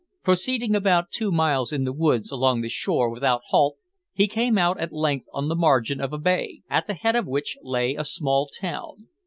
Proceeding about two miles in the woods along the shore without halt, he came out at length on the margin of a bay, at the head of which lay a small town.